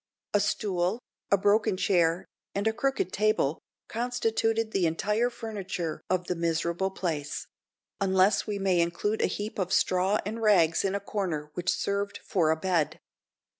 A stool, a broken chair, and a crooked table, constituted the entire furniture of the miserable place; unless we may include a heap of straw and rags in a corner, which served for a bed.